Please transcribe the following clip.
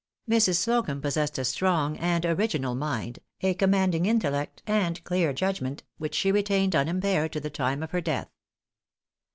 Mrs. Slocumb possessed a strong and original mind, a commanding intellect and clear judgment, which she retained unimpaired to the time of her death.